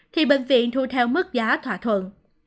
thì bệnh viện thu theo mức giá thỏa thuận